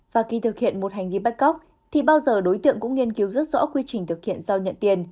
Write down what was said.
và khi thực hiện một hành vi bắt cóc thì bao giờ đối tượng cũng nghiên cứu rất rõ quy trình thực hiện giao nhận tiền